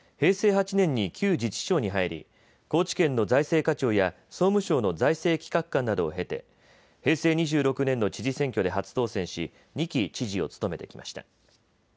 平成８年に旧自治省に入り、高知県の財政課長や総務省の財政企画官などを経て、平成２６年の知事選挙で初当選し２期知事を務めてきました。